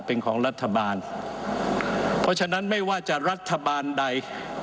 เพราะฉะนั้นไม่ว่าจะรัฐบาลใด